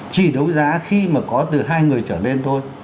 chỉ đấu giá khi mà có từ hai người trở lên thôi